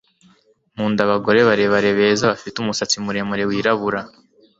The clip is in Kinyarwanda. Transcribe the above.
Nkunda abagore barebare beza bafite umusatsi muremure wirabura